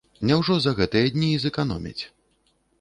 Няўжо за гэтыя дні і зэканомяць.